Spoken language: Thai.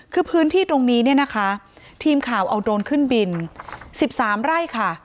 คือพื้นที่ตรงนี้เนี่ยนะคะทีมข่าวเอาโดรนขึ้นบิน๑๓ไร่ค่ะ